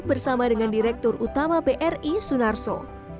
bersama dengan direktur utama bri sunar so